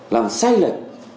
làm sai lệch